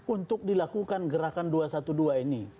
untuk dilakukan gerakan dua ratus dua belas ini